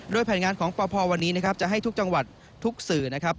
โดยแผนงานของปพวันนี้นะครับจะให้ทุกจังหวัดทุกสื่อนะครับ